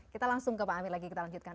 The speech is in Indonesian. kita langsung ke pak ami lagi kita lanjutkan